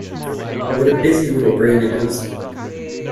What a busy little brain it is.